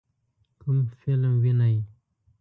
کوم فلم وینئ؟